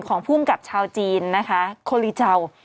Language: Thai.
ของผู้อังกฤษชาวจีนนะคะโคลิเจา